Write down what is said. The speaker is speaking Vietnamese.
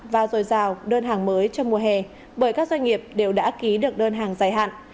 và dồi dào đơn hàng mới trong mùa hè bởi các doanh nghiệp đều đã ký được đơn hàng dài hạn